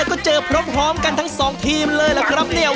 แล้วก็เจอพร้อมกันทั้งสองทีมเลยล่ะครับเนี่ย